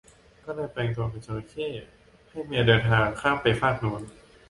ก็เลยแปลงตัวเป็นจระเข้ให้เมียเดินทางข้ามไปฟากนู้น